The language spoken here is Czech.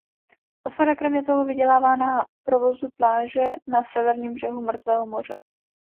Osada kromě toho vydělává na provozu pláže na severním břehu Mrtvého moře.